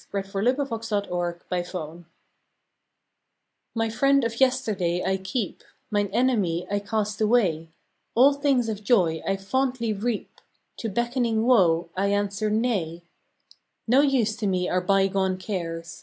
November Twenty second THE DAILY HARVEST ]V/fY friend of yesterday I keep, ^* Mine enemy I cast away. All things of joy I fondly reap, To beckoning woe I answer Nay. No use to me are bygone cares.